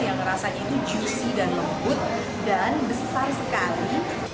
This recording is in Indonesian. yang rasanya itu juicy dan lembut dan besar sekali